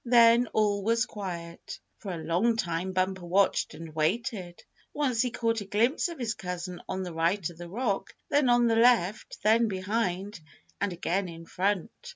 Then all was quiet. For a long time Bumper watched and waited. Once he caught a glimpse of his cousin on the right of the rock, then on the left, then behind, and again in front.